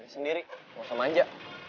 lo sendiri gak usah manja